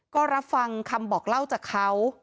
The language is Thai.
ก็รับฟังคำบอกเล่าจากเขา